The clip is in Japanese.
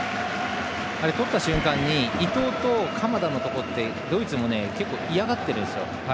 とった瞬間伊東と鎌田のところってドイツも結構嫌がっているんです。